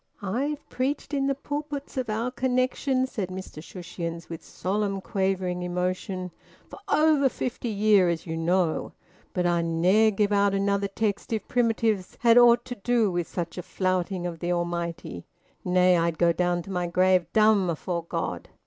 "I've preached in the pulpits o' our Connexion," said Mr Shushions with solemn, quavering emotion, "for over fifty year, as you know. But I'd ne'er gi' out another text if Primitives had ought to do wi' such a flouting o' th' Almighty. Nay, I'd go down to my grave dumb afore God!"